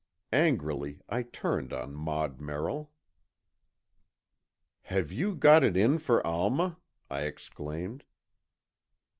Angrily, I turned on Maud Merrill. "Have you got it in for Alma?" I exclaimed.